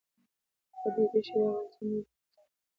د ریګ دښتې د افغانستان یوه طبیعي ځانګړتیا ده.